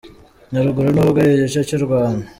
Nyaruguru ntabwo ari igice cy’u Rwanda?